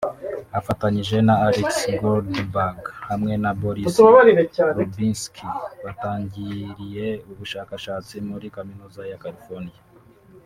Afatanyije na Alex Goldberg hamwe na Boris Rubinsky batangiriye ubushakashatsi muri kaminuza ya California